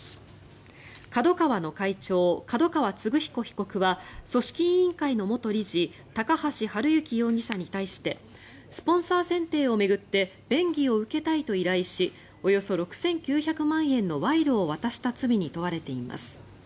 ＫＡＤＯＫＡＷＡの会長角川歴彦被告は組織委員会の元理事高橋治之容疑者に対してスポンサー選定を巡って便宜を受けたいと依頼しおよそ６９００万円の賄賂を渡した罪に問われています。